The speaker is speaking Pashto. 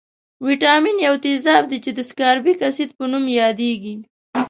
ویتامین یو تیزاب دی چې د سکاربیک اسید په نوم یادیږي.